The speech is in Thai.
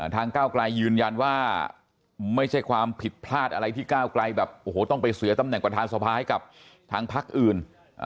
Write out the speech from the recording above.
ก้าวไกลยืนยันว่าไม่ใช่ความผิดพลาดอะไรที่ก้าวไกลแบบโอ้โหต้องไปเสียตำแหน่งประธานสภาให้กับทางพักอื่น